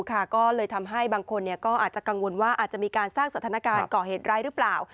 ก็เลยทำให้บางคนก็อาจจะกังวลว่าอาจจะมีการสร้างสถานการณ์ก่อเหตุร้ายหรือเปล่า